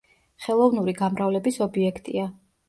ხელოვნური გამრავლების ობიექტია.